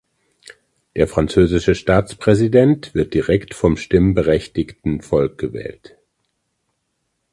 Der französische Staatspräsident wird direkt vom stimmberechtigten Volk gewählt.